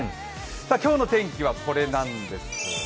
今日の天気はこれなんです。